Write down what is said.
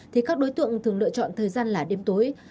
thì các đối tượng thường lựa chọn thời gian là đêm tối